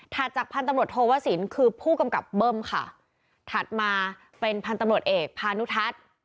จากพันธุ์ตำรวจโทวสินคือผู้กำกับเบิ้มค่ะถัดมาเป็นพันธุ์ตำรวจเอกพานุทัศน์